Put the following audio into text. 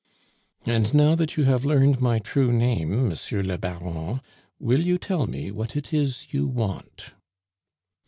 "And now that you have learned my true name, Monsieur le Baron, will you tell me what it is you want?"